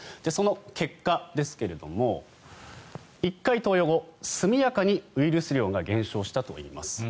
その結果ですが１回投与後速やかにウイルス量が減少したといいます。